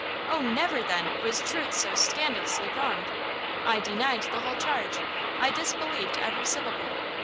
"Oh never, then, was truth so scandalously wronged! I denied the whole charge! I disbelieved every syllable!